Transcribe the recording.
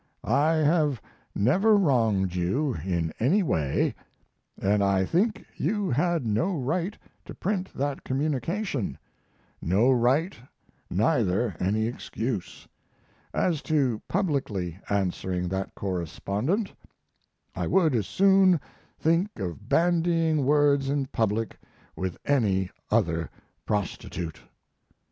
I have never wronged you in any way, and I think you had no right to print that communication; no right, neither any excuse. As to publicly answering that correspondent, I would as soon think of bandying words in public with any other prostitute.